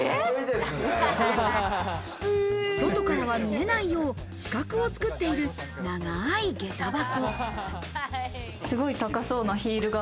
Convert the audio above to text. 外からは見えないよう、死角を作っている長い下駄箱。